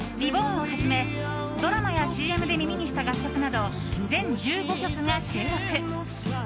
「ＲＥＢＯＲＮ」をはじめドラマやＣＭで耳にした楽曲など全１５曲が収録。